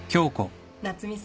夏海さん